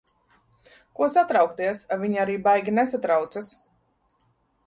Ko satraukties. Viņi arī baigi nesatraucas.